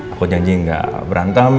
aku janji gak berantem